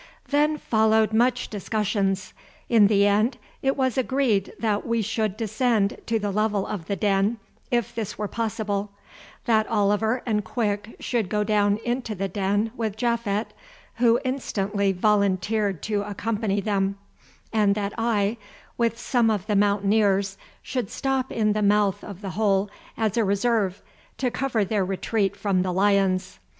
Then followed much discussion. In the end it was agreed that we should descend to the level of the den, if this were possible; that Oliver and Quick should go down into the den with Japhet, who instantly volunteered to accompany them, and that I, with some of the Mountaineers, should stop in the mouth of the hole as a reserve to cover their retreat from the lions.